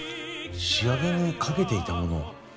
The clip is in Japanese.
仕上げにかけていたものは？